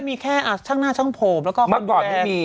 มีแค่ช่างหน้าช่างผมแล้วก็คนแปร